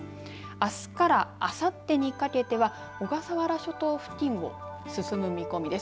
あすからあさってにかけては小笠原諸島付近を進む見込みです。